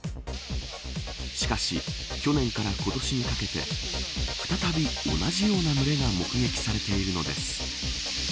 しかし、去年から今年にかけて再び、同じような群れが目撃されているのです。